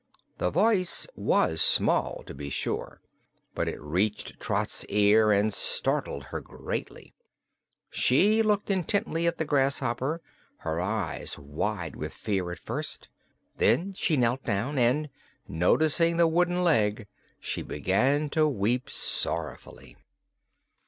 The voice was small, to be sure, but it reached Trot's ears and startled her greatly. She looked intently at the grasshopper, her eyes wide with fear at first; then she knelt down and, noticing the wooden leg, she began to weep sorrowfully.